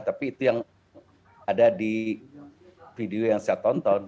tapi itu yang ada di video yang saya tonton